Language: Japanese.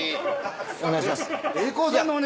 お願いします。